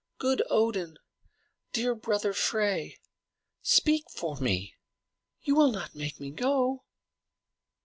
Good Odin, dear brother Frey, speak for me! You will not make me go?"